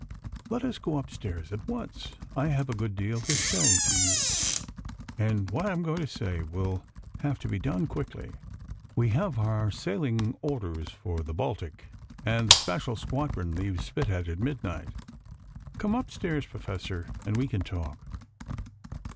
"Let us go upstairs at once. I have a good deal to say to you, and what I am going to say will have to be done quickly." "We have our sailing orders for the Baltic, and the Special Squadron leaves Spithead at midnight. Come upstairs, Professor, and we can talk."